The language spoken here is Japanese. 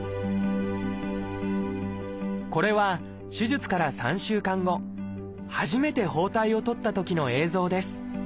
これは手術から３週間後初めて包帯を取ったときの映像です